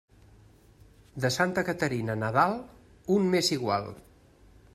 De santa Caterina a Nadal, un mes igual.